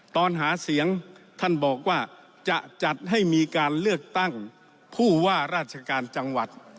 ตอนหาเสียงท่านบอกว่าจะจัดให้มีการเลือกตั้งผู้ว่าราชการจังหวัด